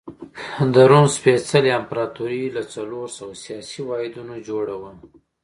د روم سپېڅلې امپراتوري له څلور سوه سیاسي واحدونو جوړه وه.